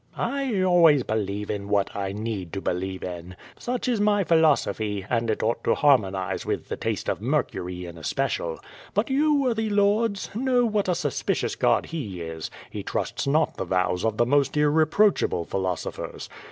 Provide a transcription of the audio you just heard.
"I always believe in what I need to believe in. Such is my philosophy, and it ought to harmonize with the taste of Mer cury in especial. But you, worthy lords, know what a sus picious god he is. He trusts not the vows of the most irre proachable philosophers.